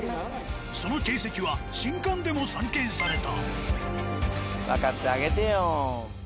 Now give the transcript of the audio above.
その形跡は新館でも散見された。